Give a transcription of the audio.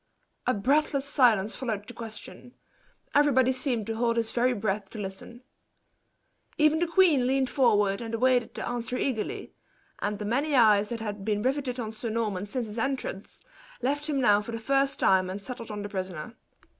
A breathless silence followed the question everybody seemed to hold his very breath to listen. Even the queen leaned forward and awaited the answer eagerly, and the many eyes that had been riveted on Sir Norman since his entrance, left him now for the first time and settled on the prisoner.